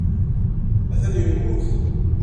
Atan yemmut.